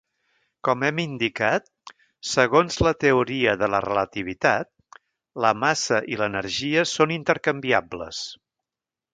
Com hem indicat, segons la teoria de la relativitat, la massa i l'energia són intercanviables.